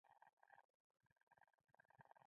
• ونه د خړوبولو لپاره مرسته کوي.